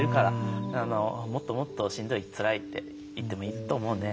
もっともっと「しんどいつらい」って言ってもいいと思うね。